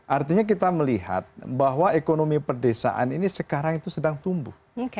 artinya kita melihat bahwa ekonomi perdesaan ini sekarang itu sedang tumbuh